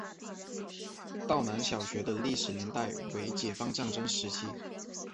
道南小学的历史年代为解放战争时期。